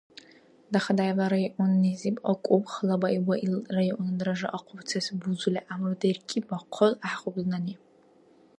Дахадаевла районнизиб акӀуб, халабаиб ва ил районна даража ахъбуцес бузули гӀямру деркӀиб бахъал гӀяхӀгъубзнани.